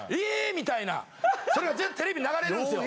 みたいなそれがテレビ流れるんすよ。